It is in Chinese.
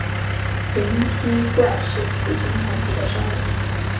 灵吸怪是雌雄同体的生物。